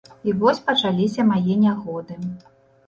І вось пачаліся мае нягоды.